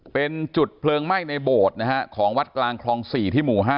เป็นจุดเพลิงไหม้ในโบสถ์นะฮะของวัดกลางคลอง๔ที่หมู่๕